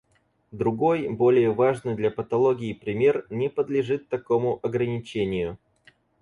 Другой более важный для патологии пример не подлежит такому ограничению.